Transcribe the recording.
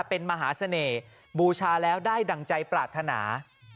เป็นมหาเสน่ห์บูชาแล้วได้ดั่งใจปรารถนา